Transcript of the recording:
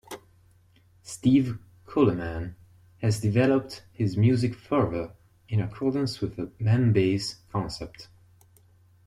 Steve Coleman has developed his music further in accordance with the M-Base concept.